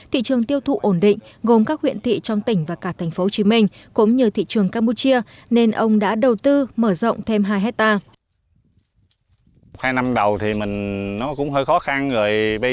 thị trường tiêu thụ ổn định gồm các huyện thị trong tỉnh và cả thành phố hồ chí minh cũng như thị trường campuchia nên ông đã đầu tư mở rộng thêm hai hectare